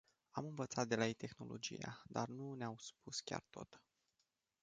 Am învățat de la ei tehnologia, dar nu ne-au spus chiar tot.